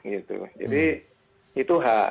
jadi itu hak